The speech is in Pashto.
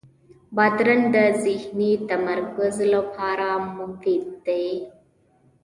بادرنګ د ذهني تمرکز لپاره مفید دی.